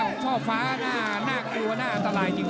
ช่อฟ้าน่ากลัวน่าอันตรายจริง